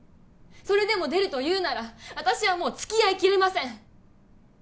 それでも出るというなら私はもう付き合いきれません